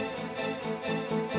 lo sudah nunggu